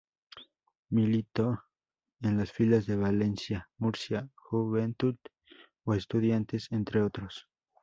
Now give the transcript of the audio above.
Militó en las filas de Valencia, Murcia, Joventut o Estudiantes, entre otros.